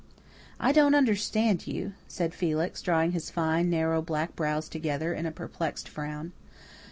"I don't understand you," said Felix, drawing his fine, narrow black brows together in a perplexed frown.